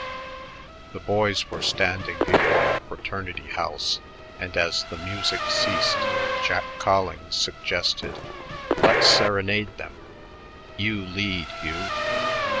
The boys were standing before a fraternity house, and as the music ceased, Jack Collings suggested: "Let's serenade them. You lead, Hugh."